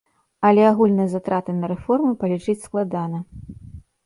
Але агульныя затраты на рэформы палічыць складана.